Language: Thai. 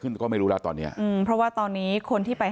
อืมว่านี่คือรถของนางสาวกรรณิการก่อนจะได้ชัดเจนไป